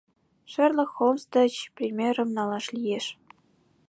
— Шерлок Холмс деч примерым налаш лиеш.